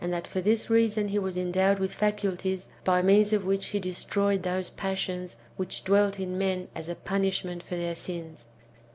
and tliat for this reason he was endowed with faculties, by means of which lie destroyed those passions which dwelt in men as a punishment [for their sins], 2.